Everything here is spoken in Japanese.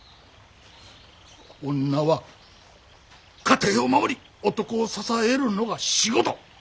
女は家庭を守り男を支えるのが仕事！